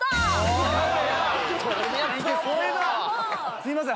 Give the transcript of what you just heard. すいません。